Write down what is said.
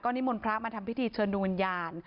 นิมนต์พระมาทำพิธีเชิญดวงวิญญาณ